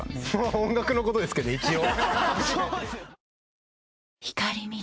音楽のことですけど一応。